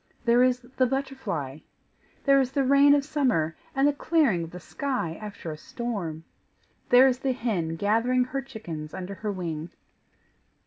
There is the butterfly! There is the rain of summer, and the clearing of the sky after a storm! There is the hen gathering her chickens under her wing!